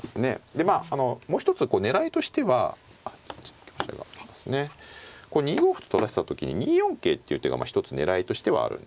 でまあもう一つ狙いとしては２五歩と取らせた時に２四桂っていう手が一つ狙いとしてはあるんですね。